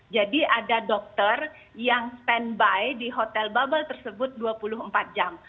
jadi ada dokter yang standby di hotel bubble tersebut dua puluh empat jam